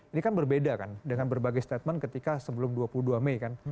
ini kan berbeda kan dengan berbagai statement ketika sebelum dua puluh dua mei kan